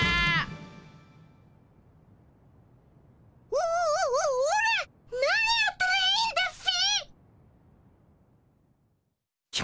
オオオラ何やったらいいんだっピ？